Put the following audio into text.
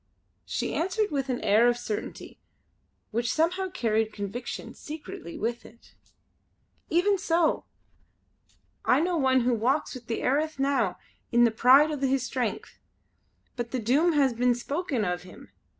She answered with an air of certainty which somehow carried conviction, secretly, with it. "Even so! I know one who walks the airth now in all the pride o' his strength. But the Doom has been spoken of him.